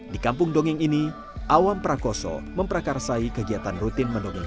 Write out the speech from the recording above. di kampung dongeng ini awam prakoso memperakarsai kegiatan rutin mendongeng